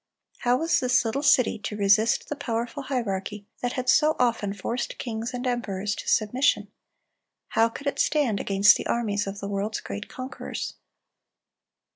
How was this little city to resist the powerful hierarchy that had so often forced kings and emperors to submission? How could it stand against the armies of the world's great conquerors?